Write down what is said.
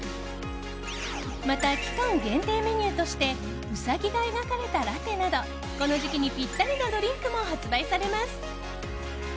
また、期間限定メニューとしてウサギが描かれたラテなどこの時期にぴったりなドリンクも発売されます。